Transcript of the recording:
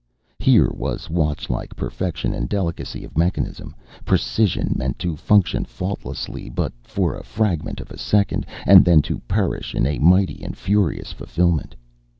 Here was watchlike perfection and delicacy of mechanism precision meant to function faultlessly for but a fragment of a second, and then to perish in a mighty and furious fulfillment.